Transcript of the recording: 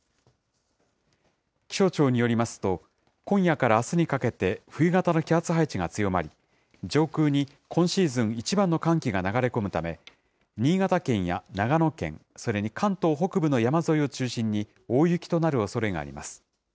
気象庁によりますと、今夜からあすにかけて、冬型の気圧配置が強まり、上空に今シーズン一番の寒気が流れ込むため、新潟県や長野県、それに関東北部の山沿いを中心に大雪となるおそれがあります。